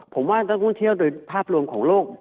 ผมว่านักท่องเที่ยวโดยภาพรวมของโลก